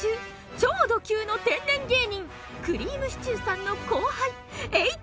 超ド級の天然芸人くりぃむしちゅーさんの後輩エイト